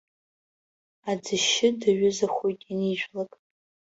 Аӡышьшьы даҩызахоит ианижәлак.